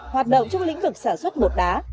hoạt động trong lĩnh vực sản xuất bột đá